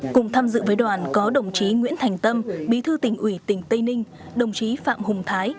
cùng tham dự với đoàn có đồng chí nguyễn thành tâm bí thư tỉnh ủy tỉnh tây ninh đồng chí phạm hùng thái